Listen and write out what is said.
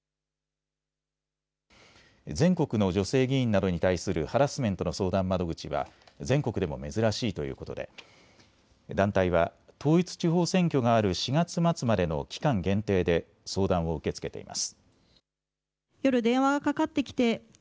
全国の女性議員などに対するハラスメントの相談窓口は全国でも珍しいということで団体は統一地方選挙がある４月末までの期間限定で相談を受け付けています。